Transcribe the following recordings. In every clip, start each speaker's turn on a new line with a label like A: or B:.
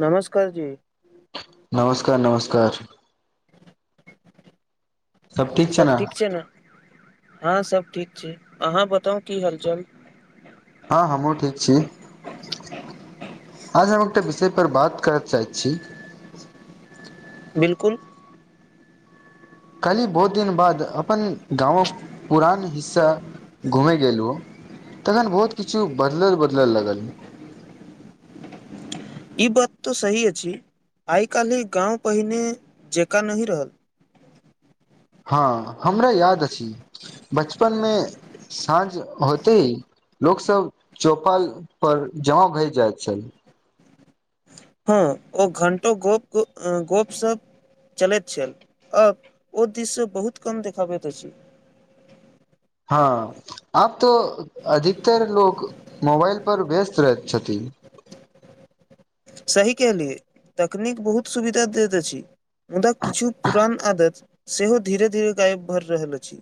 A: नमस्कार जी
B: नमस्कार, नमस्कार। सभ ठीक छै न।
A: हँं सब ठीक छै, अहाँ बताउ की हाल-चाल।
B: हँ हमहुँ ठीक छी। आज हम एकटा विषय पर बात करय चाहैत छी।
A: बिल्कुल।
B: कल्हि बहुत दिन बाद अपन गामक पुरान हिस्सा घुमय गेलहु। तखन बहुत किछु बदलल-बदलल लगल।
A: ई बात तऽ सही अछि। आइ-काल्हिक गाँव पहिने जँका नहि रहल।
B: [unintelligible] हँ हमरा याद अछि, बचपन में साँझ होतै। लोकसभ चौपाल पर जमा भइ जाइत छल।
A: हँ ओ घण्टों गप-गप्प सब। चलैत छल, आब ओ दृश्य बहुत कम देखाबैत अछि।
B: [unintelligible] आब तो अधिकतर लोक मोबाइल पर व्यस्त रहैत छथिन।
A: सही कहलियै, तकनीक बहुत सुविधा दैत अछि। मुदा किछु पुरान आदत सेहो, धीरे- धीरे गायब भऽ रहल अछि।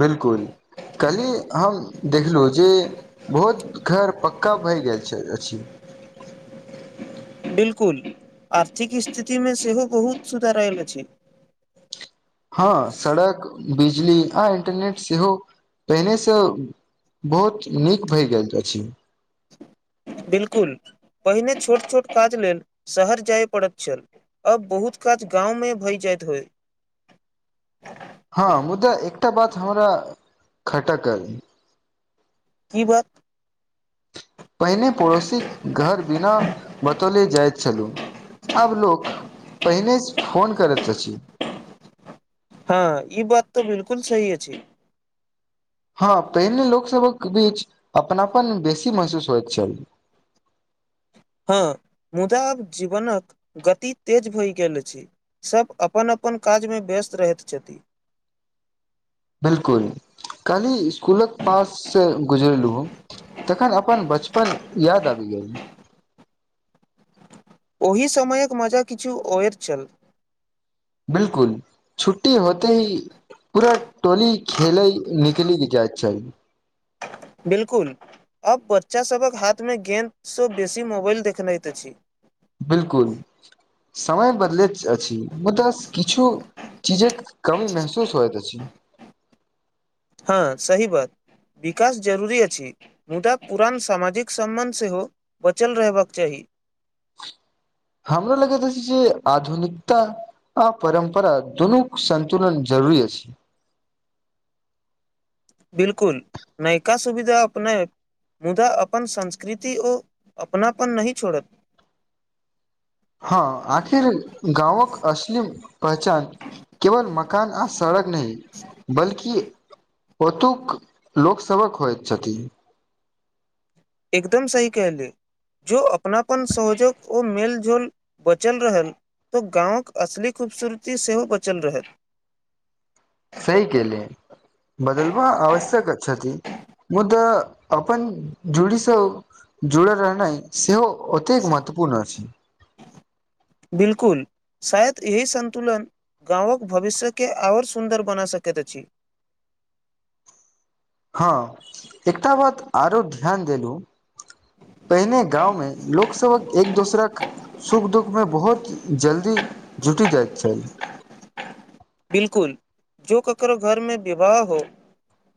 B: 'बिलकुल' कैलही हम देखलहुँ जे, बहुत घर पक्का भए गेल अछि। [unintelligible]
A: 'बिल्कुल' आर्थिक स्थितिमे, सेहो बहुत सुधार आयल अछि।
B: हँ सड़क, बिजली, आ इंटरनेट, सेहो पहिनेसँ बहुत नीक भेल जायत अछि।
A: 'बिलकुल' पहिने छोट -छोट काज लेल, शहर जाय पड़ैत छल, अब बहुत काज गाँमे भय जाइत होय।
B: [unintelligible] हँ, मुदा एकटा बात हमरा खटकल!
A: की बात?
B: पहिने पड़ोसीक घर बिना बतौले जाइत छलू। आब लोक पहिने फोन करैत अछि।
A: हँ, ई बात तऽ 'बिलकुल' सही अछि।
B: हँ, पहिने लोकसभक बीच अपनापन बेसी महसूस होयत छल। [unintelligible]
A: हँ, मुदा आब जीवनक गति तेज भए गेल अछि, सभ अपन -अपन अपन काजमे व्यस्त रहैत छथि।
B: 'बिलकुल' काल्हि स्कूलक पास से गुजरेलु, तखन अपन बचपन याद आबि गेल।
A: ओहि समयक मजा किछु ओयर चल।
B: 'बिलकुल' छुट्टी होते ही पूरा टोली खेलै निकली जाय छल।
A: 'बिलकुल'। आब बच्चासभक हाथमे, गेन्दसँ बेसी मोबाइल देखनेैत अछि।
B: 'बिलकुल' समय बदले अछि, मुदा किछु चीजक कमी महसूस होइ त अछी।
A: हँ, सही बात। विकास जरूरी अछि, मुदा पुरान सामाजिक सम्बन्ध सेहो, बचल रहबाक चाही।
B: हमरा लगेत अछि जे आधुनिकता- आ परम्परा, दुोनूक सन्तुलन जरूरी अछि।
A: 'बिलकुल' नयका सुविधा अपने मुदा अपन संस्कृति ओ अपनापन नहि छोड़त।
B: [unintelligible] हँ, आखिर गाँवक असली पहचान केवल मकान आ सड़क फक नहि, बल्कि ओतुक लोकसभक होइत छथिन।
A: एकदम सही कहलियै। जो अपनापन, सहयोग, ओ मेलझोल बचल रहल। तऽ गामवक असली खूबसूरती, सेहो बचल रहत।
B: सही कहलउ बदलबा आवश्यक छथि। मुदा अपनन जुड़ीसँ जुड़ल रहनाइ सेहो ओतेक महत्वपूर्ण अछि।
A: बिलकुल। शायद, एहि सन्तुलन गामक भविष्यके आओर सुन्दर बना सकैत अछि।
B: [unintelligible] हँ, एकटा बात आरो ध्यान देलहुँ। पहिने गाँंव में लोक सबहक एक- दोसराक सुख- दुःख में बहुत जल्दी। जुटी जाइत छल।
A: बिल्कुल, जो ककरो घरमें विवाह हो।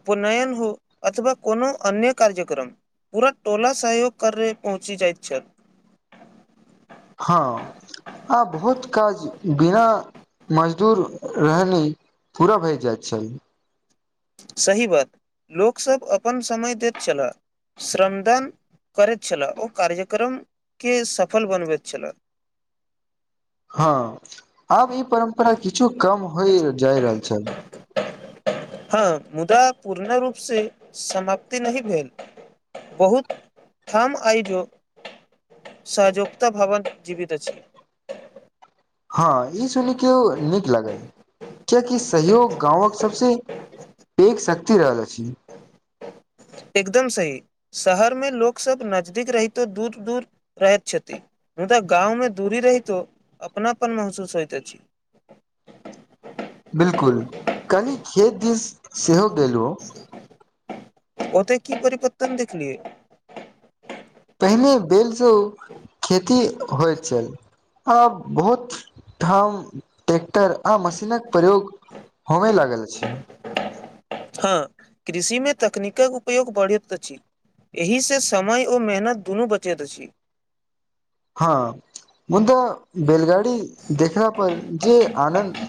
A: उपनयन हो, अथवा कोनो अन्य कार्यक्रम। पूरा टोला सहयोग करे पहुँचि जाइत छल।
B: हँ, आब बहुत काज बिना। मजदूर रहने पूरा भय जाइत छल।
A: सही बात, लोकसभ अपन समय दैत छलाह। श्रमदान करैत छलाह, ओ कार्यक्रमके सफल बनबैत छलाह।
B: हँ आब ई परम्परा। किछु कम होइ जाइ रहल छल।
A: हँ, मुदा पूर्ण रूप से समाप्ति नहि भेल। बहुत ठाम आइजो। सहजोकता भावन जीवित अछी।
B: हँ ई सुन के नीक लागल, कियाकि सहयोग गाँंवक सबसे। एक शक्ति रहल अछि।
A: एकदम सही, शहर में लोक सब नजदीक रहितो दूर-दूर रहैत छथि। मुदा गाँवमें, दूरी रहितो अपनापन महसूस होइत अछि।
B: [unintelligible] बिल्कुल, कनि खेत दिस सेहो गेलो।
A: ओते की परिवर्तन देखलिय।
B: पहिने बेलसँ ओ खेती होइत छल। आब बहुत ठाम ट्रैक्टर आ मशीनक प्रयोग। होमै लागल अछि।
A: हँ, कृषि में तकनीकक उपयोग बढ़ैत अछि। एहिसँ समय ओ मेहनत दुनू बचैत अछि।
B: हँ। मुदा बैेलगाड़ी देखला पर जे आनन्द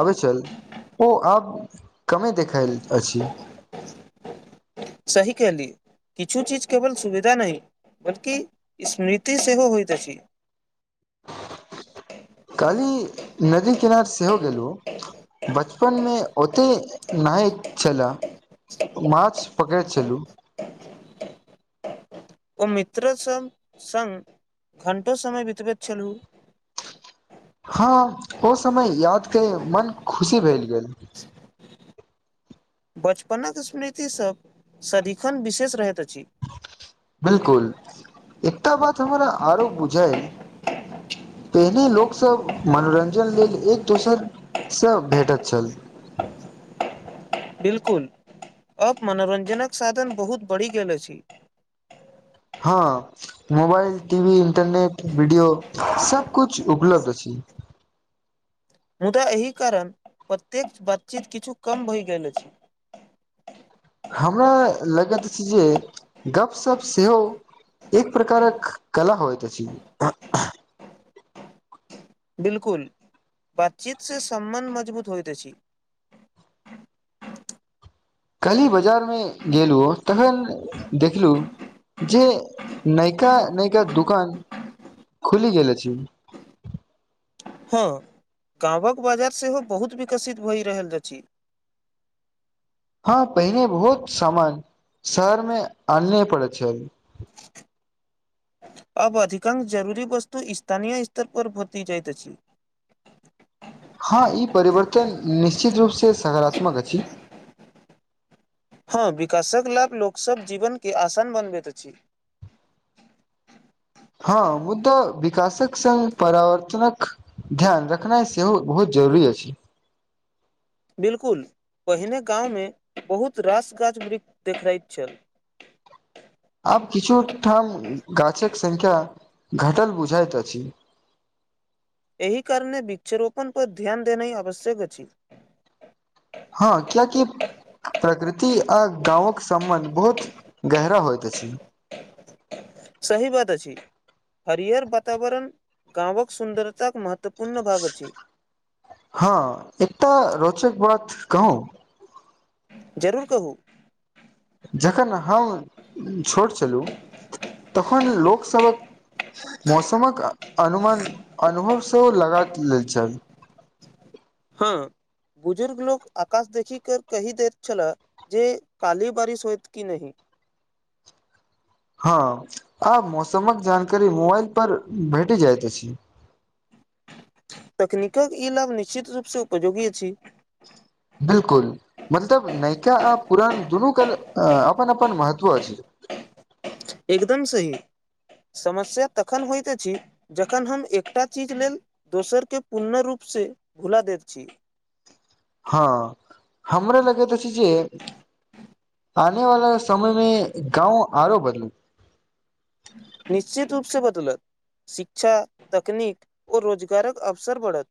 B: आबै छल। ओ आब कमे देखायल अछि।
A: सही कहली, किछु चीज केवल सुविधा नहि। बल्कि स्मृति सेहो होइत अछि।
B: काल्हि नदी किनार सेहो गेलहुँ। बचपन में ओते नहायत छेला। माँछ पकड़ै छलू।
A: ओ मित्रसभ सङ्ग घण्टो समय बितबैत छलहुँ।
B: [unintelligible] हँ, ओ समय यादके मन खुशी भेल गेल।
A: बचपनक स्मृति सभ सदिखन विशेष रहैत अछि।
B: बिल्कुल, एकटा बात हमरा आरो बुझायल। [unintelligible] पहिने लोकसभ मनोरञ्जन लेल एक-दोसरसँ भेटत छल।
A: बिल्कुल, अब मनोरञ्जनक साधन बहुत बढ़ि गेल अछि।
B: हां, मोबाइल, टीवी, इंटरनेट, वीडियो सब किछु उपलब्ध छै। [unintelligible]
A: मुदा एहि कारण प्रत्येक बातचीत किछु कम भइ गेल अछि।
B: हमरा लगैत अछि जे गपशप सेहो एक प्रकारक कला होइत अछि।
A: बिलकुल, बातचीत से सम्बन्ध मजबूत होइत अछि।
B: [unintelligible] काल्हि बाजारमे गेलहुँ तखन देखलहुं जे नायका नायिका दुकान खुलि गेल अछि।
A: हां, गाँवक बाजार सेहो बहुत विकसित भए रहल अछि।
B: [unintelligible] हँ पहिने बहुत सामान शहर मे आनय पड़ैत छल। [unintelligible]
A: अब अधिकांश जरूरी वस्तु स्थानीय स्तर पर भेटि जाइत अछि।
B: [unintelligible] हँ ई परिवर्तन निश्चित रूप से सकारात्मक अछि।
A: हँ विकासक लाभ लोकसभक जीवनके आसान बनबैत अछि।
B: हँ मुदा विकासक संग परिवर्तनक ध्यान रखनाइ सेहो बहुत जरूरी अछि।
A: बिलकुल पहिने गाममे बहुत रास गाछ वृक्ष देखाइत छल।
B: आब किछुठाम गाछक संख्या घटल बुझाइत अछि।
A: एहि कारण वृक्षारोपण पर ध्यान देनाइ आवश्यक अछि।
B: हँ कियाकि प्रकृति आ गाँवक सम्बन्ध बहुत गहरा होइत अछि। [unintelligible]
A: सही बात अछि हरियर वातावरण गाँवक सुन्दरताक महत्वपूर्ण भाग अछि
B: हँ एकटा रोचक बात कहु
A: जरूर कहु
B: जखन हम छोट छलहुँ तखन लोकसभक मौसमक अनुमान अनुभव सं लगा लैत छल। [unintelligible]
A: हँ। बुजुर्ग लोक आकाश देखि के कहि दैत छलाह जे काल्हि बारिश होयत कि नहि
B: हँ, आ मौसमक जानकारी मोबाइल पर भेटि जाइत अछि।
A: तकनीकक ई लाभ निश्चित रूपसँ उपयोगी अछि।
B: बिलकुल, मतलब नयका आ पुरान दुनूके अपन अपन महत्व अछि‌। [unintelligible]
A: एकदम सही। समस्या तखन होइत अछि जखन हम एकटा चीज लेल दोसरकेँ पूर्णरूप से भुला देैत छी।
B: हँ, हमरा लगैत अछि जे आने वला समय मे गाँव आरो बदलि
A: निश्चित रूप से बदलत शिक्षा, तकनीकक, ओ रोजगारक अवसर बढ़त।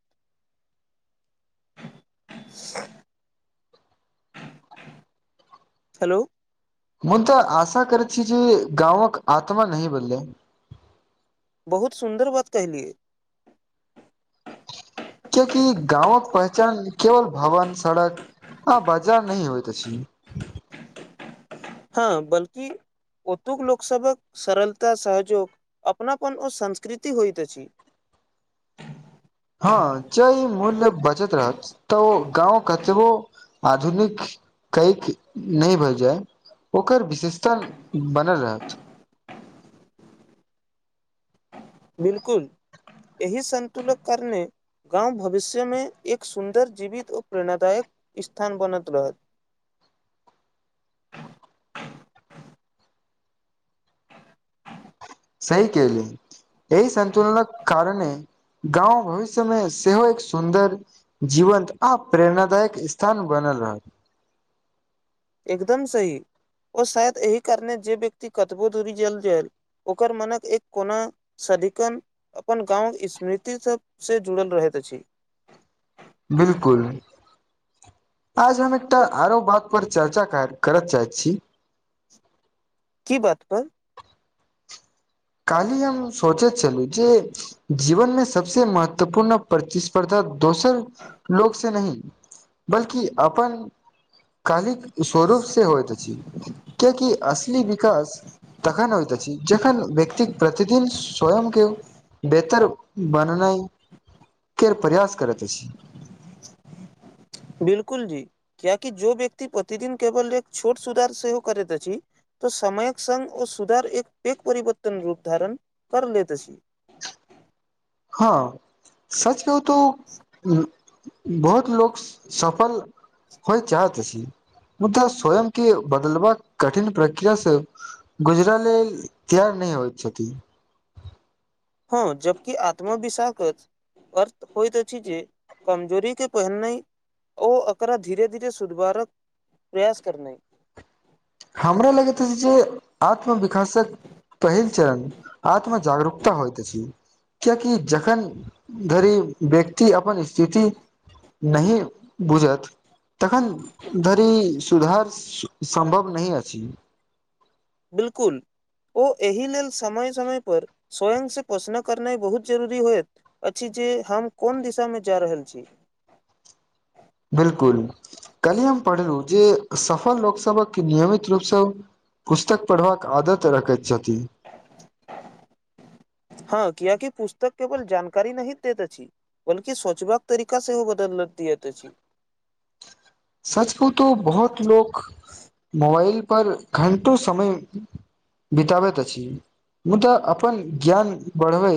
A: स [unintelligible] हेलो!
B: मुदा आशा करै छी जे, गाँवक आत्मा नहि भेलइ।
A: बहुत सुन्दर बात कहलियै।
B: कियकि गाँवक पहचान, केवल भवन, सड़क हँ, बजह नहि होइत अछि।
A: हँ, बल्कि ओतुक लोकसभक सरलता, सहयोग, अपनापन ओ संस्कृति होइत अछि।
B: [unintelligible] हँ, जे ई मूल्य बचत रहत, तऽ ओ गाँव कतबो आधुनिक कैक नहि भए जाय। ओकर विशेषता बनल रहत।
A: 'बिलकुल' एहि सन्तुलक कारणे गामव भविष्यमे, एक सुन्दर जीवित आ प्रेरणादायक स्थान बनल रहत।
B: [unintelligible] सही केहलउ, एहि सतुलनक कारणे गाँंव भविष्य मे, सेहो एक सुन्दर जीवन्त आ प्रेरणादायक स्थान बनल बनल रहत।
A: एकदम सही, ओ शायद एहिह कारणे जे व्यक्ति कतबो धूरी जल जल ओकर मनक एक कोना सदिकन अपन गाँवक स्मृति से जुड़ल रहत। त छी।
B: 'बिलकुल'। आज हम एकटा आरो बात पर चर्चा कैत करय चाहैत छी।
A: की बात पर?
B: काल्हि हम सोचैत छललू, जे जीवनमे सबसे महत्वपूर्ण प्रतिस्पर्धा दोसर लोको से नहि, बल्कि अपन कालि स्वरूप से होइत अछि, कियाकि इ बिकास तखन होइत अछि, जखन बि दिक प्रतिदिन स्वयं के बेहतर बननै केर प्रयास करैत अछी।
A: बिलकुल जी! कियाकि जो व्यक्ति प्रतिदिन केवल एक छोट सुधार सेहो करैत अछि। तऽ समयक संग ओ सुधार एक पेघ परिवर्तन रूप धारण कर लेत अछी।
B: हँ, सच कहु त बहुत लोको सफल होइ चाहत अछि। मुदा स्वयं के बदलवा कठिन प्रक्रिया से गुजलेल त्याग नहि होइ छथि।
A: जबकि आत्मा विशाक्त अछि। अर्थ होइत अछि जे, कमजोरी के पहिने। ओ एककरा धीरे -धीरे सुधारक प्रयास करनै।
B: हमरा लगैत अछि जे, आत्मविकासक पहिल चरण आत्म जागरूकता होइत अछि। कियकि जखन धरि व्यक्ति अपन स्थिति! नहि बुझत, तखन धरि सुधार सम्भव न अछि।
A: बिलकुल। ओ एहि लेल समय समय पर स्वयंसँ क्वसचन करनाइ बहुत जरूरी होइत अछि। जे हम कोन दिशामे जा रहल छी।
B: बिलकुल। काली हम पढ़लहुँ जे सफल लोकसभक क नियमित रूपसँ पुस्तक पढ़बाक आदत रखैत छथि।
A: हँ कियकि पुस्तक केवल जानकारी नही दैत अछि बल्कि सोचबाक तरीका सेहो बदल दियत अछि।
B: सच कहू तो बहुत लोक मोबाइल पर घंटो समय बिताबैत अछि मुदा अपन ज्ञान बढ़बै